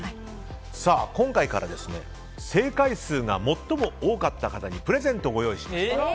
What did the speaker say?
今回から正解数が最も多かった方にプレゼントをご用意しました。